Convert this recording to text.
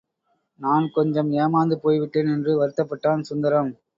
நான் கொஞ்சம் ஏமாந்து போய்விட்டேன் என்று வருத்தப் பட்டான் சுந்தரம்.